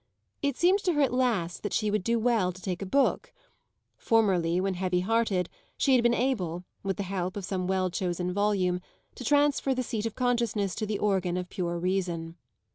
It seemed to her at last that she would do well to take a book; formerly, when heavy hearted, she had been able, with the help of some well chosen volume, to transfer the seat of consciousness to the organ of pure reason.